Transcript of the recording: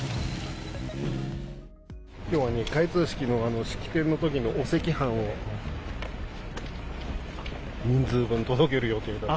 きょうは開通式の式典のときのお赤飯を人数分届ける予定だった。